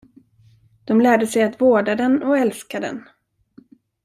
De lärde sig att vårda den och älska den.